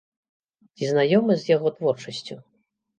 Ці знаёмы з яго творчасцю?